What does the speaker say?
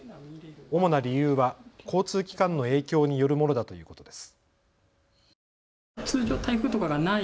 主な理由は交通機関の影響によるものだということです。